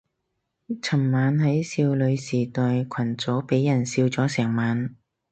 尋晚喺少女時代群組俾人笑咗成晚